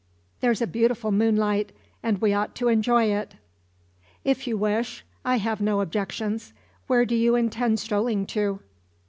There's a beautiful moonlight, and we ought to enjoy it." "If you wish, I have no objections. Where do you intend strolling to?"